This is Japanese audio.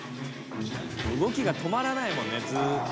動きがとまらないもんねずっと。